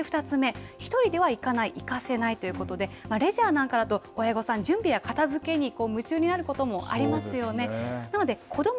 そして２つ目１人では行かせない・聞かせないということでレジャーなんかだと親御さん準備や片づけに夢中になることもあります。